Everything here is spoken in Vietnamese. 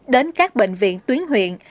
đến các bệnh viện tuyến huyện